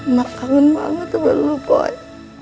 mak kangen banget sama lu boy